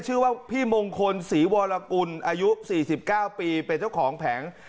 ชื่อว่าพี่มงคลศรีวรกุลอายุ๔๙ปีเป็นเจ้าของแผง